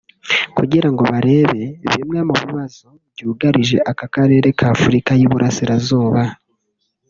kugirango barebe bimwe mu bibazo byugarije aka karere ka Afurika y’Iburasirazuba